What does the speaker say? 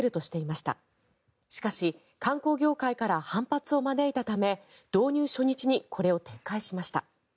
しかし観光業界から反発を招いたため導入初日にこれを撤回しました。